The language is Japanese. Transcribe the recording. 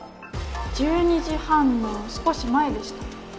１２時半の少し前でした。